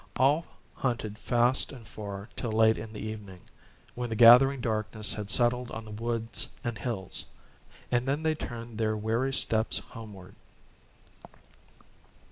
All hunted fast and far till late in the evening, when the gathering darkness had settled on the woods and hills; and then they turned their weary steps homeward.